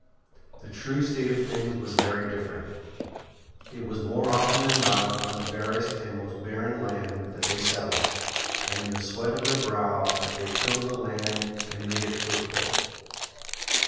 The true state of things was very different. It was more often than not on the barest and most barren land that they settled, and in the sweat of their brow that they tilled the land and made it fruitful.